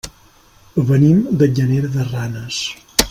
Venim de Llanera de Ranes.